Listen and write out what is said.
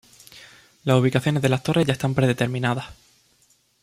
Las ubicaciones de las torres ya están predeterminadas.